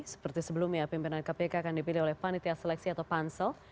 seperti sebelumnya pimpinan kpk akan dipilih oleh panitia seleksi atau pansel